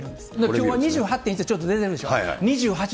きょうは２８．１ってちょっと出てるでしょう？